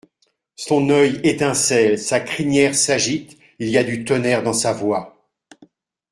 Son oeil étincelle, sa crinière s'agite ; il y a du tonnerre dans sa voix.